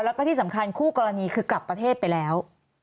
แล้วก็ที่สำคัญคู่กรณีคือกลับประเทศไปแล้ว